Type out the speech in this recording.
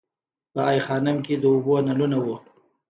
په ای خانم کې د اوبو نلونه وو